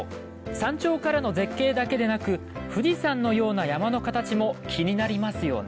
山頂からの絶景だけでなく富士山のような山の形も気になりますよね？